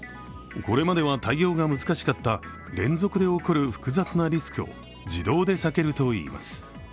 これまでは対応が難しかった連続で起こる複雑なリスクを自動で避けるといいます。